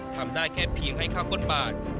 ทำได้แค่เพียงให้ข้าวใช้การปลอดภัษฐ์